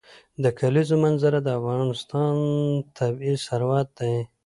د کلیزو منظره د افغانستان طبعي ثروت دی.